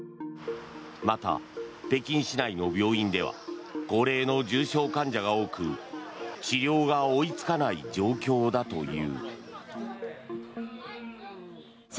また、北京市内の病院では高齢の重症患者が多く治療が追いつかない状況だという。